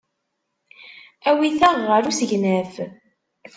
Awit-aɣ ɣer usegnaf.